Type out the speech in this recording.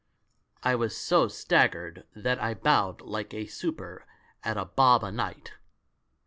"I was so staggered that I bowed like a super at a bob a night.